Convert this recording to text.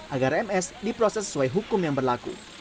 agar ms diproses sesuai hukum yang berlaku